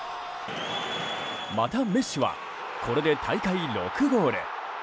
また、メッシはこれで大会６ゴール。